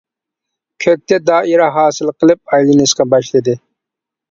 كۆكتە دائىرە ھاسىل قىلىپ ئايلىنىشقا باشلىدى.